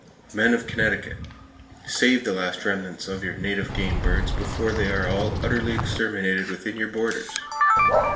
Men of Connecticut, save the last remnants of your native game birds before they are all utterly exterminated within your borders!